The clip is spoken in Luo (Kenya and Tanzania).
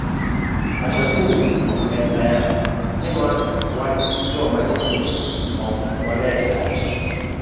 Ashakum ok en ayany, nimar wan joma tindo ok wane rach.